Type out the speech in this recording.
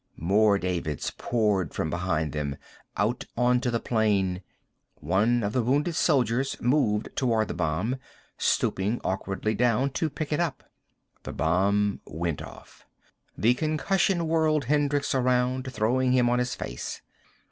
More Davids poured from behind them, out onto the plain. One of the Wounded Soldiers moved toward the bomb, stooping awkwardly down to pick it up. The bomb went off. The concussion whirled Hendricks around, throwing him on his face.